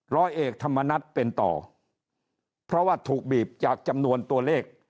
ร้อยเอกธรรมนัฏเป็นต่อเพราะว่าถูกบีบจากจำนวนตัวเลข